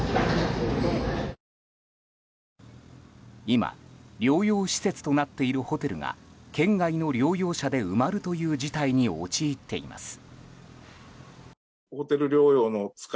今療養施設となっているホテルが県外の療養者で埋まるという事態に陥っています。